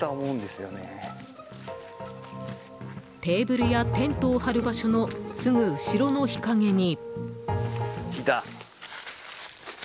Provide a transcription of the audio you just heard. テーブルやテントを張る場所のすぐ後ろの日陰に。